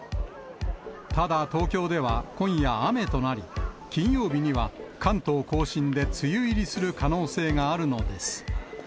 ただ、東京では今夜雨となり、金曜日には関東甲信で梅雨入りする可能性があるのです。